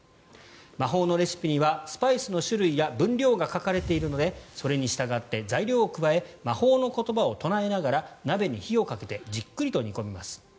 魔法のレシピにはスパイスの種類や分量が書かれているのでそれに従って材料を加え魔法の言葉を唱えながら鍋に火をかけてじっくりと煮込みます。